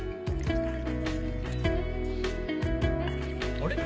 あれ？